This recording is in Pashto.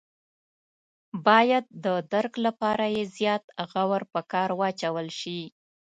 باید د درک لپاره یې زیات غور په کار واچول شي.